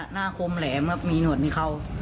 คมแหลมครับมีหนวดมีเข้า